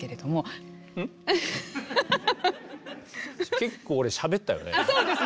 結構俺しゃべったよね？